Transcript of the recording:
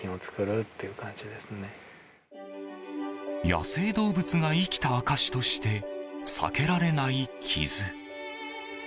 野生動物が生きた証しとして避けられない傷。